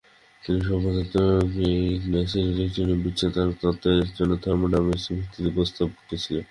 তিনি সভান্ত এরেনিয়িয়াসের ইলেক্ট্রোলাইটিক বিচ্ছিন্নতার তত্ত্বের জন্য থার্মোডাইনামিক ভিত্তিতে প্রস্তাব করেছিলেন।